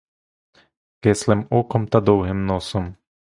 Кислим оком та довгим носом.